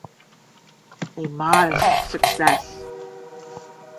A modest success.